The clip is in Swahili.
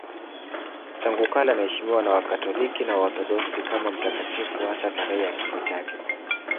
Tangu kale anaheshimiwa na Wakatoliki na Waorthodoksi kama mtakatifu, hasa tarehe ya kifo chake.